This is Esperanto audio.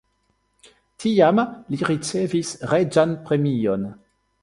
Tiam li ricevis reĝan premion.